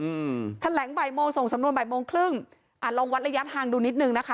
อืมแถลงบ่ายโมงส่งสำนวนบ่ายโมงครึ่งอ่าลองวัดระยะทางดูนิดนึงนะคะ